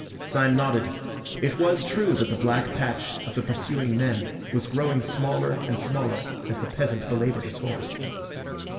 Syme nodded. It was true that the black patch of the pursuing men was growing smaller and smaller as the peasant belaboured his horse.